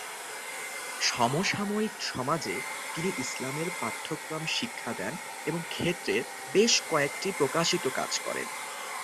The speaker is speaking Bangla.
সমসাময়িক সমাজে তিনি ইসলামের পাঠ্যক্রম শিক্ষা দেন এবং ক্ষেত্রের বেশ কয়েকটি প্রকাশিত কাজ করেন।